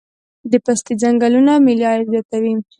د پستې ځنګلونه ملي عاید زیاتوي